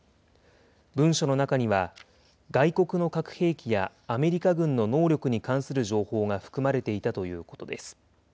文書の中には、外国の核兵器やアメリカ軍の能力に関する情報が含まれていたということです。